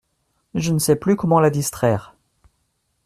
Je ne sais plus comment la distraire…